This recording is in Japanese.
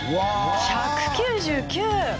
１９９！